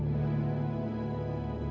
cincin pertengahan dokter ya